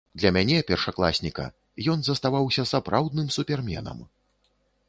Для мяне, першакласніка, ён заставаўся сапраўдным суперменам.